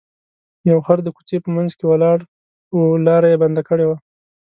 یو خر د کوڅې په منځ کې ولاړ و لاره یې بنده کړې وه.